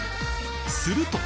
すると！